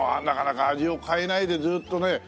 なかなか味を変えないでずっとね